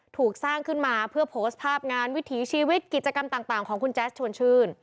ถูกสร้างขึ้นมาเพื่อโพสต์ภาพงานวิถีชีวิตกิจกรรมต่างของคุณแจ๊สชวนชื่น